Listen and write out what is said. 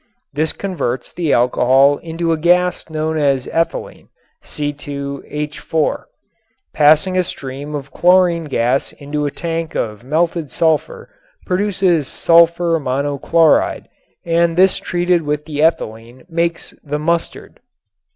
This converts the alcohol into a gas known as ethylene (C_H_). Passing a stream of chlorine gas into a tank of melted sulfur produces sulfur monochloride and this treated with the ethylene makes the "mustard."